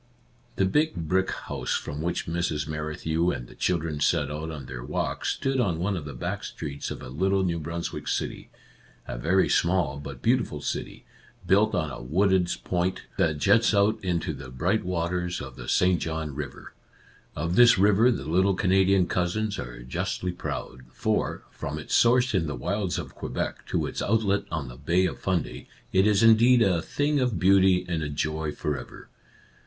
" The big brick house from which Mrs. Merrithew and the children set out on their walk stood on one of the back streets of a Our Little Canadian Cousin 7 little New Brunswick city, — a very small but beautiful city, built on a wooded point that juts out into the bright waters of the St. John River. Of this river the little Canadian Cousins are justly proud, for, from its source in the wilds of Quebec to its outlet on the Bay of Fundy, it is indeed " a thing of beauty and a joy for ever.''